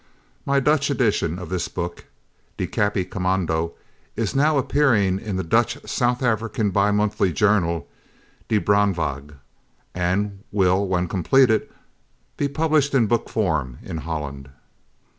My Dutch edition of this book, Die Kappie Kommando, is now appearing in the Dutch South African bi monthly journal, Die Brandwag, and will, when completed, be published in book form in Holland.